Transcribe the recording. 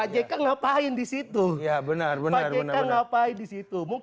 jika ngapain disitu ya benar benar benar benar